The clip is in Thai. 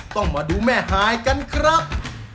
ต้องมาดูแม่ฮายกันครับ